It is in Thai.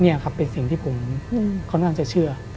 นี่ครับเป็นสิ่งที่ผมเขาน่าจะเชื่อ